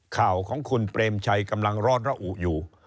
ข่าวของคุณเปรมชัยกำลังร้อนระอุอยู่